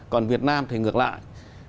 còn việt nam thì ngược lại